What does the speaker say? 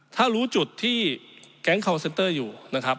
ถ้ารู้จุดที่แก๊งคอลเซนเตอร์อยู่นะครับ